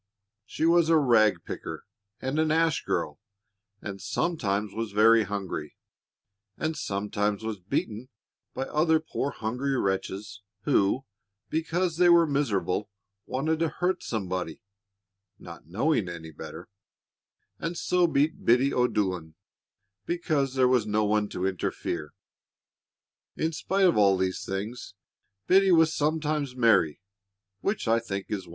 She was a rag picker and an ash girl, and sometimes was very hungry, and sometimes was beaten by other poor hungry wretches, who, because they were miserable, wanted to hurt somebody not knowing any better and so beat Biddy O'Dolan because there was no one to interfere. In spite of all these things, Biddy was sometimes merry, which I think is wonderful.